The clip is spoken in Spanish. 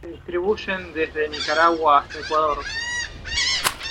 Se distribuyen desde Nicaragua hasta Ecuador.